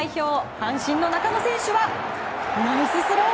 阪神の中野選手はナイススロー！